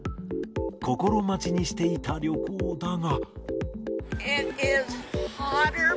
心待ちにしていた旅行だが。